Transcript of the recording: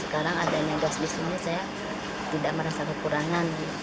karena adanya gas di sini saya tidak merasa kekurangan